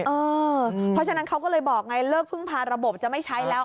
เพราะฉะนั้นเขาก็เลยบอกไงเลิกพึ่งพาระบบจะไม่ใช้แล้ว